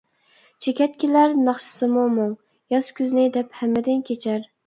چېكەتكىلەر ناخشىسىمۇ مۇڭ، ياز كۈزنى دەپ ھەممىدىن كېچەر.